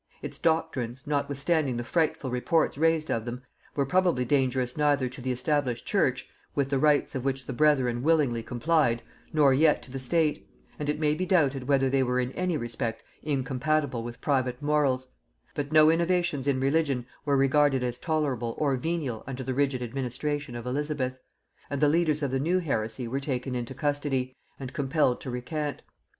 Its doctrines, notwithstanding the frightful reports raised of them, were probably dangerous neither to the established church, with the rites of which the brethren willingly complied, nor yet to the state; and it may be doubted whether they were in any respect incompatible with private morals; but no innovations in religion were regarded as tolerable or venial under the rigid administration of Elizabeth; and the leaders of the new heresy were taken into custody, and compelled to recant.